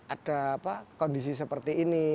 ada kondisi seperti ini